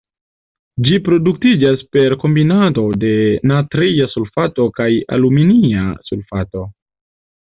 Ĝi produktiĝas per kombinado de natria sulfato kaj aluminia sulfato.